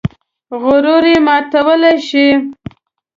غرور یې ماتولی شي.